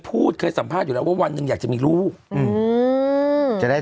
เคยสัมภาษณ์อยู่แล้วว่าวันหนึ่งอยากจะมีลูกอืมจะได้